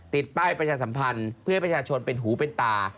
ติดป้ายประชาสัมพันธ์เพื่อให้ประชาชนเป็นหูเป็นตา